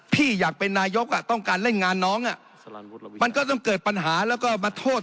พี่อยากเป็นนายกต้องการเล่นงานน้องมันก็ต้องเกิดปัญหาแล้วก็มาโทษ